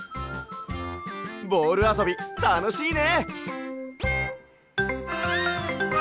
ボールあそびたのしいね！